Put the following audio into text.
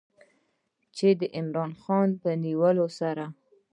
چې د عمران خان په نیولو سره